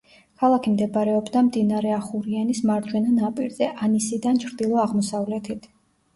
ქალაქი მდებარეობდა მდინარე ახურიანის მარჯვენა ნაპირზე, ანისიდან ჩრდილო-აღმოსავლეთით.